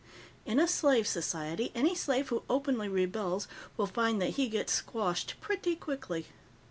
In a slave society, any slave who openly rebels will find that he gets squashed pretty quickly.